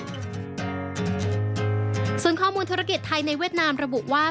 ส่วนข้อมูลธุรกิจไทยในเวียดนามระบุว่า